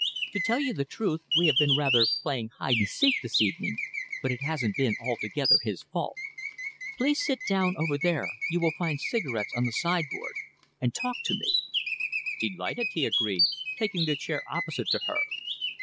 To tell you the truth, we have been rather playing hide and seek this evening, but it hasn't been altogether his fault. Please sit down over there you will find cigarettes on the sideboard and talk to me." "Delighted," he agreed, taking the chair opposite to her.